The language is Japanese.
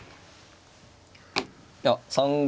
いや３五